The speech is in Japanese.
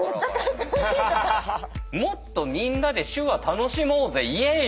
「もっとみんなで手話楽しもうぜイエイ！」